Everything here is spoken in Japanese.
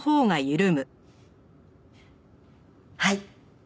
はい。